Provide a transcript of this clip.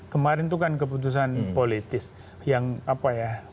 kemarin itu kan keputusan politis yang apa ya